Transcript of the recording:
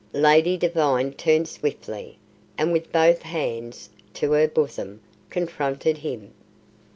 Lady Devine turned swiftly, and with both hands to her bosom, confronted him.